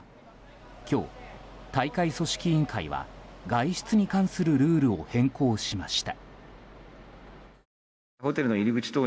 今日、大会組織委員会は外出に関するルールを変更しました。